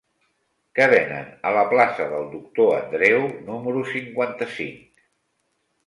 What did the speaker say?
Què venen a la plaça del Doctor Andreu número cinquanta-cinc?